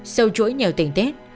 sâu chuỗi nhiều tỉnh tết